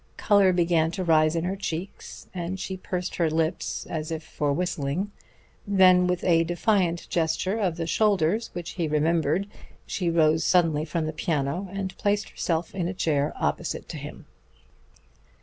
Color began to rise in her cheeks, and she pursed her lips as if for whistling. Then with a defiant gesture of the shoulders which he remembered she rose suddenly from the piano and placed herself in a chair opposite to him.